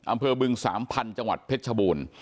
อำเภอบึง๓พันธุ์จังหวัดเพชรบูรณ์